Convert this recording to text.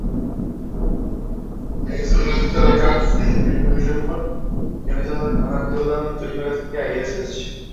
আইএস-নিয়ন্ত্রিত এলাকার বিভিন্ন বিষয়ের ওপর নিয়মিতভাবে নানা প্রতিবেদন তৈরি করে থাকে আইএইচএস।